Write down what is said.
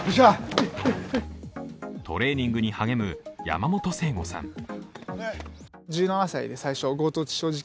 トレーニングに励む山本聖悟さん。